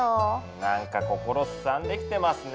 何か心すさんできてますね。